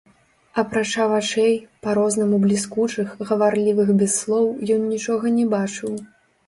Апрача вачэй, па-рознаму бліскучых, гаварлівых без слоў, ён нічога не бачыў.